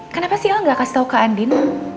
kenapa sih al gak kasih tau kak andin